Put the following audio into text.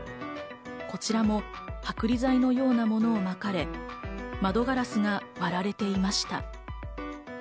こちらも剥離剤のようなものを撒かれ、窓ガラスが割られていました。